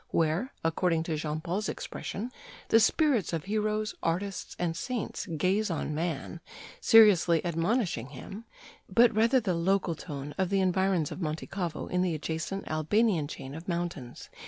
where, according to Jean Paul's expression, the spirits of heroes, artists, and saints gaze on man, seriously admonishing him, but rather the local tone of the environs of Monte Cavo in the adjacent Albanian chain of mountains.